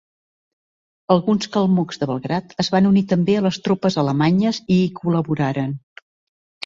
Alguns calmucs de Belgrad es van unir també a les tropes alemanyes i hi col·laboraren.